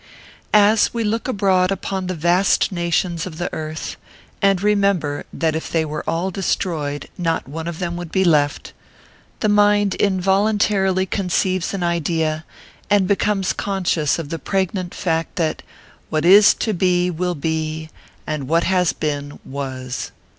As we look abroad upon the vast nations of the earth, and remember that if they were all destroyed, not one of them would be left, the mind involuntarily conceives an idea, and becomes conscious of the preg nant fact, that " what is to be will be, as what has been, was."